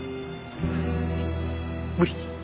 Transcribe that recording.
無理。